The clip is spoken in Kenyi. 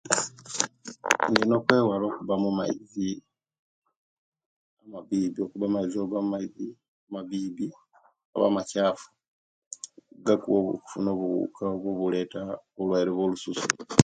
Indino okwewala okuba mumaizi amabibi kuba amaizi oba amaizi amachafu gakuwa okufuna obuwuka obwo obuleeta obulwayire obyolususu